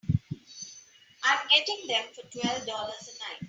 I'm getting them for twelve dollars a night.